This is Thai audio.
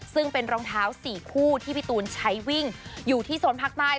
ซึ่งเป็นรองเท้า๔คู่ที่พี่ตูนใช้วิ่งอยู่ที่โซนภาคใต้